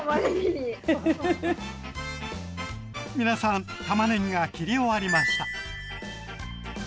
皆さんたまねぎが切り終わりました。